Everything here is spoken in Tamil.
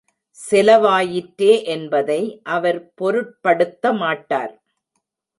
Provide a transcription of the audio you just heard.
செலவாயிற்றே என்பதை அவர் பொருட்படுத்தமாட்டார்.